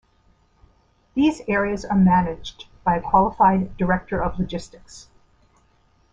These areas are managed by a qualified Director of Logistics.